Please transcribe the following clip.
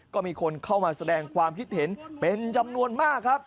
ก็มีคนเข้ามาแสดงความคิดเห็นเป็นจำนวนมากครับ